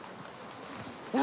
何？